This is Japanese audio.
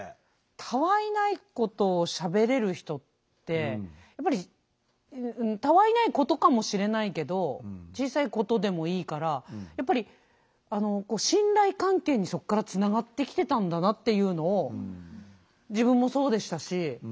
たわいないことをしゃべれる人ってたわいないことかもしれないけど小さいことでもいいからやっぱり信頼関係にそこからつながってきてたんだなっていうのを自分もそうでしたし。